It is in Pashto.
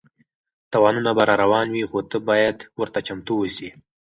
تاوانونه به راروان وي خو ته باید ورته چمتو اوسې.